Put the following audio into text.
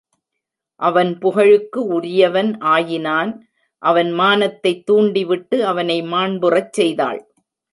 அவன் புகழுக்கு உரியவன் ஆயினான் அவன் மானத்தைத் தூண்டிவிட்டு அவனை மாண்புறச் செய்தாள்.